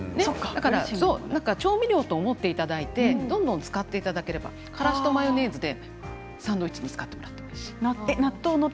調味料と思っていただいてどんどん使っていただければからしとマヨネーズでサンドイッチに使っていただいてもいいし。